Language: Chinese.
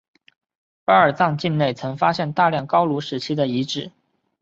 巴尔藏境内曾发现大量高卢时期的遗址。